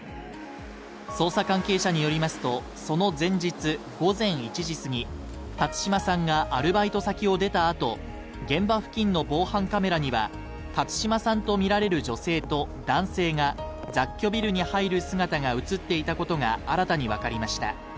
捜査関係者によりますとその前日、午前１時すぎ、辰島さんがアルバイト先を出たあと現場付近の防犯カメラには辰島さんとみられる女性と男性が雑居ビルに入る姿が映っていたことが新たに分かりました。